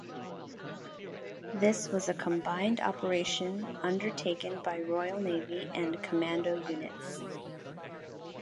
This was a combined operation undertaken by Royal Navy and Commando units.